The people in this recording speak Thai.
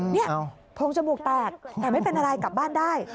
นี่โพงจมูกแตกแต่ไม่เป็นอะไรกลับบ้านได้